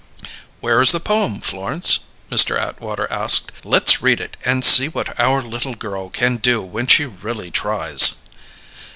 "Where is the poem, Florence?" Mr. Atwater asked. "Let's read it and see what our little girl can do when she really tries."